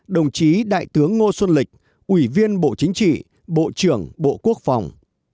một mươi ba đồng chí đại tướng ngô xuân lịch ủy viên bộ chính trị bộ trưởng bộ quốc phòng